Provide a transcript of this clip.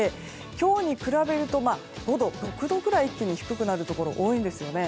今日に比べると５度、６度くらい一気に低くなるところが多いです。